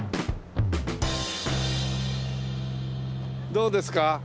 どうですか？